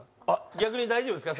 逆に大丈夫ですか？